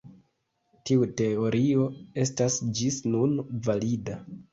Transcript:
Tiu teorio estas ĝis nun valida.